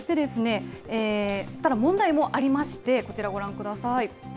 ただ、問題もありまして、こちらご覧ください。